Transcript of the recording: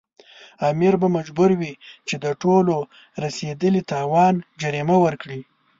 امیر به مجبور وي چې د ټولو رسېدلي تاوان جریمه ورکړي.